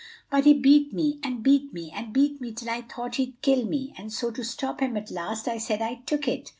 "But he beat me, and beat me, and beat me till I thought he'd kill me; and so to stop him at last I said I took it.